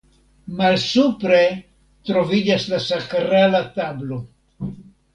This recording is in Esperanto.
Malsupre troviĝas la sakrala tablo.